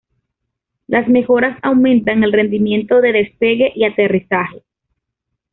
Las mejoras aumentan el rendimiento de despegue y aterrizaje.